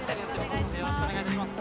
よろしくお願いします